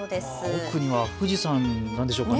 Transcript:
奥には富士山なんでしょうかね。